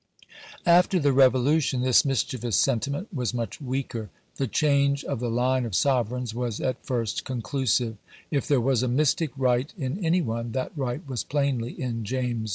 After the Revolution this mischievous sentiment was much weaker. The change of the line of sovereigns was at first conclusive, If there was a mystic right in any one, that right was plainly in James II.